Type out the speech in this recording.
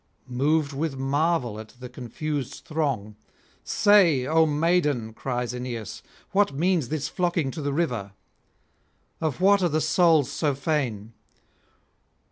Moved with marvel at the confused throng: 'Say, O maiden,' cries Aeneas, 'what means this flocking to the river? of what are the souls so fain?